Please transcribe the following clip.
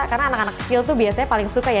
karena anak anak kecil tuh biasanya paling suka ya